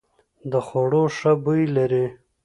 دا خوړو ښه بوی لري.